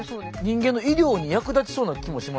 人間の医療に役立ちそうな気もしますよね。